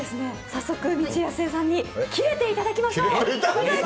早速、未知やすえさんにキレていただきましょう。